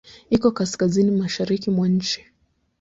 Iko kaskazini-mashariki mwa nchi.